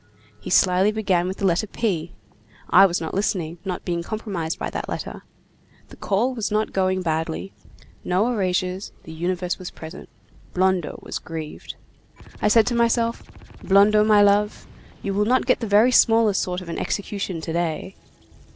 He slyly began with the letter P. I was not listening, not being compromised by that letter. The call was not going badly. No erasures; the universe was present. Blondeau was grieved. I said to myself: 'Blondeau, my love, you will not get the very smallest sort of an execution to day.